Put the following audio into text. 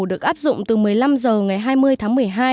được áp dụng từ một mươi năm h ngày hai mươi tháng một mươi hai